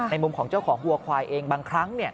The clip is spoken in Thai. มุมของเจ้าของวัวควายเองบางครั้ง